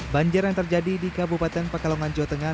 banjir yang terjadi di kabupaten pekalongan jawa tengah